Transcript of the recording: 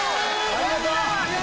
ありがとう。